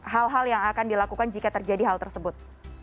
hal hal yang akan dilakukan jika terjadi hal tersebut